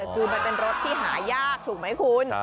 คือมันเป็นรถที่หายากถูกไหมคุณ